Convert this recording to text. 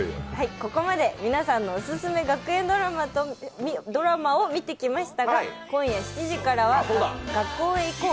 ここまで皆さんのおすすめ学園ドラマを見てきましたが今夜７時からは「学校へ行こう！